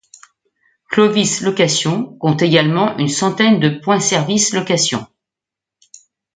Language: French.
Clovis Location compte également une centaine de points services location.